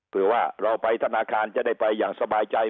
เผื่อว่าเราไปธนาคารจะได้ไปอย่างสบายใจ